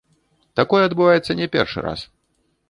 Такое адбываецца не першы раз.